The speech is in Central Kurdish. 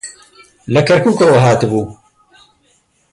لە کەرکووکەوە هاتبوو.